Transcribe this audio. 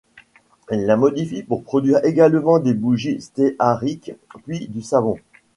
Il la modifie pour produire également des bougies stéariques, puis du savon.